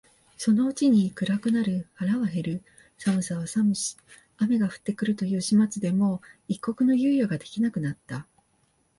そのうちに暗くなる、腹は減る、寒さは寒し、雨が降って来るという始末でもう一刻の猶予が出来なくなった